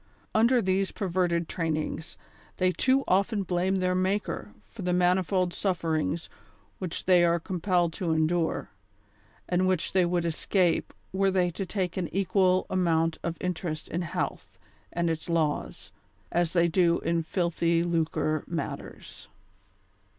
Under these perverted trainings, they too often blame their Maker for tlie mani fold sufferings which they are compelled to endure, and which they would escape were they to take an equal amount of interest in health and its laws, as they do in filthy lucre matters.